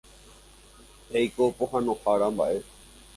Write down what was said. Ndéiko pohãnohára mbaʼe.